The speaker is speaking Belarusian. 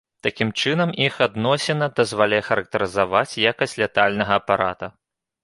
Такім чынам, іх адносіна дазваляе характарызаваць якасць лятальнага апарата.